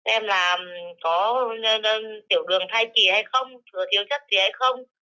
em làm có tiểu đường thai kỳ hay không sửa thiếu chất gì hay không